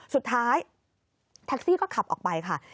สุดท้ายแท็กซี่ก็ขับออกไปค่ะ